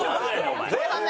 前半ね。